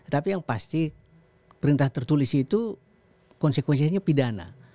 tapi yang pasti perintah tertulis itu konsekuensinya pidana